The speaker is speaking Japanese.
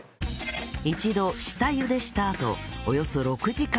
一度下茹でしたあとおよそ６時間